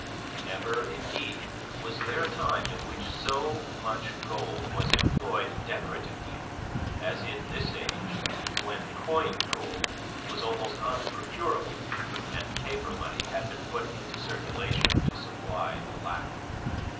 Never, indeed, was there a time in which so much gold was employed decoratively as in this age when coined gold was almost unprocurable, and paper money had been put into circulation to supply the lack.